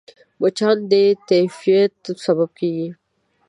مچان د تيفايد سبب کېږي